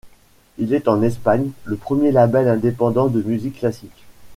Il est en Espagne, le premier label indépendant de musique classique.